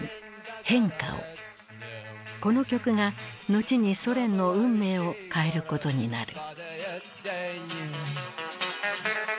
この曲が後にソ連の運命を変えることになる。